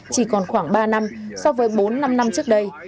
chỉ còn khoảng ba năm so với bốn năm năm trước đây